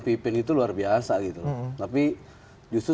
pimpin itu luar biasa gitu tapi justru